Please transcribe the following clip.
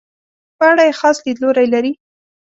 په اړه یې خاص لیدلوری لري.